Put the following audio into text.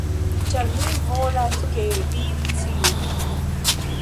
Ĉar mi volas, ke vi sciu.